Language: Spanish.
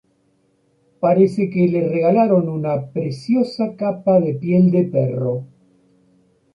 Parece que le regalaron una preciosa capa de piel de perro.